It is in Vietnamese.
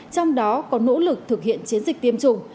trong đó có nỗ lực thực hiện chiến dịch tiêm chủng